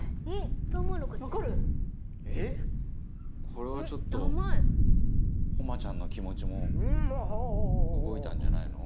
「これはちょっと誉ちゃんの気持ちも動いたんじゃないの？」